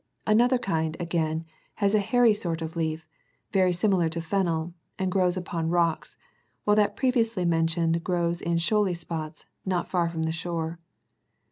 "39 Another kind,40 again, has a hairy sort of leaf, very similar to fennel, and grows upon rocks, while that previously mentioned grows in shoaly spots, not far from the shore.